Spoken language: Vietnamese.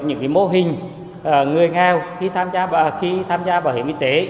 những mô hình người nghèo khi tham gia bảo hiểm y tế